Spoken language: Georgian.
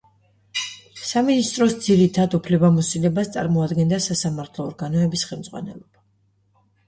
სამინისტროს ძირითად უფლებამოსილებას წარმოადგენდა სასამართლო ორგანოების ხელმძღვანელობა.